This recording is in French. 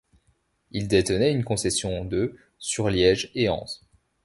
Ils détenaient une concession de sur Liège et Ans.